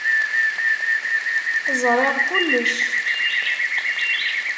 Ẓṛiɣ kullec.